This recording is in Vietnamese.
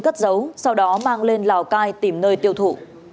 cất dấu sau đó mang lên lào cai tìm nơi tiêu thụ